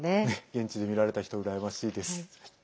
現地で見られた人羨ましいです。